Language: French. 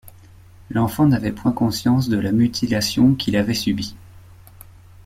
L’enfant n’avait point conscience de la mutilation qu’il avait subie.